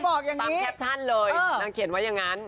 ตามแคปชั่นเลยนางเขียนไว้อย่างนั้น